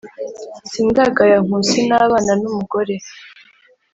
Sindagaya Nkusi N’abana n’umugore